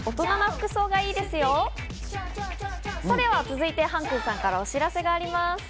続いてＨＡＮ−ＫＵＮさんからお知らせがあります。